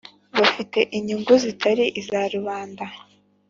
banafite inyungu zitari iza rubanda.